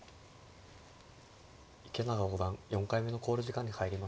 池永五段４回目の考慮時間に入りました。